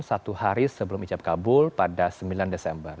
satu hari sebelum ijab kabul pada sembilan desember